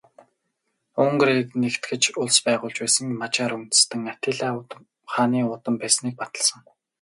Унгарыг нэгтгэж улс байгуулж байсан Мажар үндэстэн Атилла хааны удам байсныг баталсан.